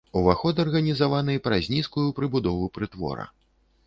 Уваход арганізаваны праз нізкую прыбудову прытвора.